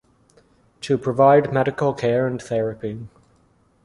To provide medical care and therapy.